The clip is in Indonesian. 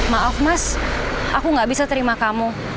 maaf mas aku gak bisa terima kamu